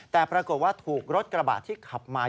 แต่ปรากฏว่าถูกรถกระบาดที่ขับมา